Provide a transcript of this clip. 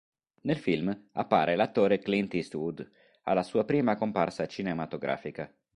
Nel film appare l'attore Clint Eastwood, alla sua prima comparsa cinematografica.